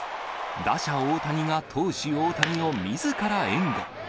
打者大谷が、投手大谷をみずから援護。